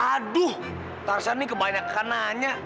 aduh tarsa ini kebanyakan nanya